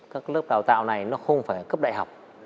các lớp đào tạo này nó không phải là cấp đại học